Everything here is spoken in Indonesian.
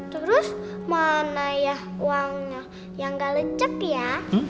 terus mana ya uangnya yang gak lecek ya